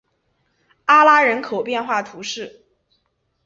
拉阿人口变化图示